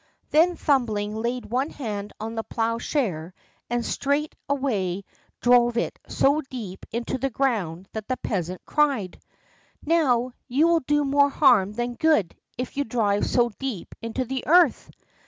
Then Thumbling laid one hand on the plowshare and straightway drove it so deep into the ground that the peasant cried: "Now you will do more harm than good, if you drive so deep into the earth."